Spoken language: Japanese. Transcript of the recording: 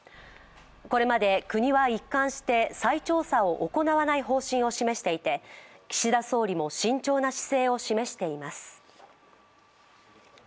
これまで、国は一貫して再調査を行わない方針を示していて岸田総理も慎重な姿勢を示しています。